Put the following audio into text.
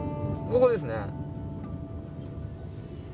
ここですね。